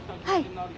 はい。